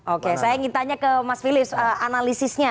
oke saya ingin tanya ke mas philips analisisnya